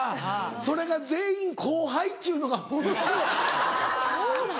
それが全員後輩っちゅうのがものすごい。